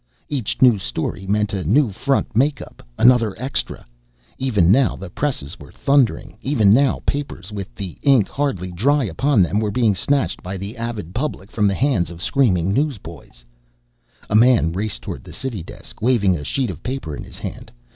Each new story meant a new front make up, another extra. Even now the presses were thundering, even now papers with the ink hardly dry upon them were being snatched by the avid public from the hands of screaming newsboys. A man raced toward the city desk, waving a sheet of paper in his hand.